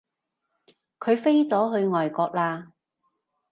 佢飛咗去外國喇